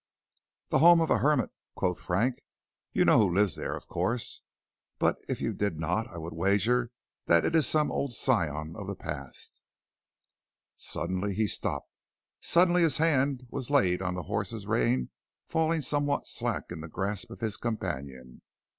"The home of a hermit," quoth Frank. "You know who lives there of course, but if you did not I would wager that it is some old scion of the past " Suddenly he stopped, suddenly his hand was laid on the horse's rein falling somewhat slack in the grasp of his companion.